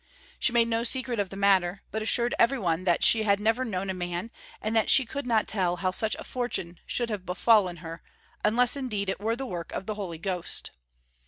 She made no secret of the matter, but assured every one that she had never known a man and that she could not tell how such a fortune should have befallen her, unless indeed it were the work of the Holy Ghost.